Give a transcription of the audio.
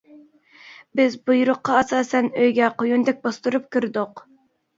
بىز بۇيرۇققا ئاساسەن ئۆيگە قۇيۇندەك باستۇرۇپ كىردۇق.